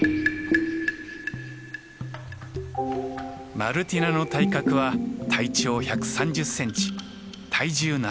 マルティナの体格は体長１３０センチ体重７０キロ。